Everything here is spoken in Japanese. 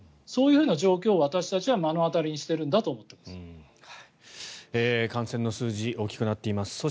そういうふうな状況を私たちは目の当たりにしているんだと思っています。